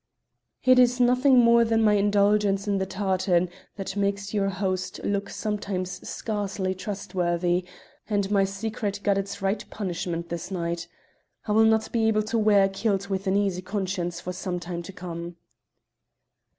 "It is nothing more than my indulgence in the tartan that makes your host look sometimes scarcely trustworthy; and my secret got its right punishment this night. I will not be able to wear a kilt with an easy conscience for some time to come."